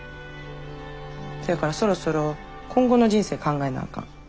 そやからそろそろ今後の人生考えなあかん。